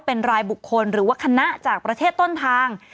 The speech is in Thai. เป็นรายบุคคลหรือว่าคณะจากประเทศต้นทาง